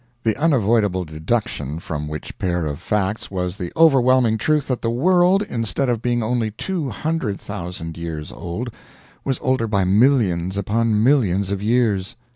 The unavoidable deduction from which pair of facts was the overwhelming truth that the world, instead of being only two hundred thousand years old, was older by millions upon millions of years!